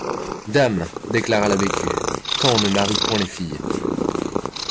Dame! déclara la Bécu, quand on ne marie point les filles !